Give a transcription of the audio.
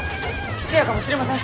質屋かもしれません！